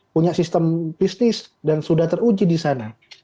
punya sistem bisnis dan sudah teruji di sana